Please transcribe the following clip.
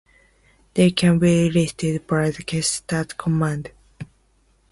They can be listed by the kextstat command.